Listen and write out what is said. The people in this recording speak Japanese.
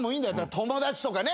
友達とかね。